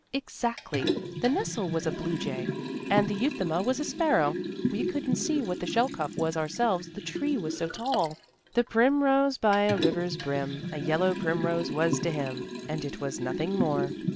"Exactly. The nestle was a blue jay, and the euthuma was a sparrow. We couldn't see what the shelcuff was ourselves, the tree was so tall. "'The primrose by a river's brim, A yellow primrose was to him, And it was nothing more.'"